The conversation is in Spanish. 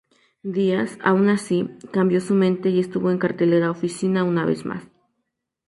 Díaz, aún así, cambió su mente y estuvo en cartelera oficina una vez más.